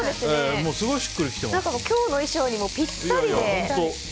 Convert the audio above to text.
今日の衣装にもぴったりで。